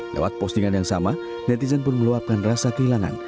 lewat postingan yang sama netizen pun meluapkan rasa kehilangan